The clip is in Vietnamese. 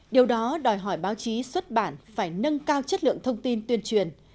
điều đó đòi hỏi báo chí xuất bản phải nâng cao chất lượng thông tin tuyên truyền